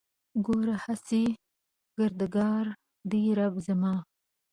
ګوره هسې کردګار دی رب زما